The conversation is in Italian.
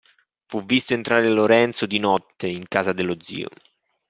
Fu visto entrare Lorenzo di notte, in casa dello zio.